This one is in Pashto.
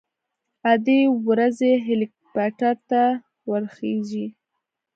ادې ورځي هليكاپټر ته ورخېژي.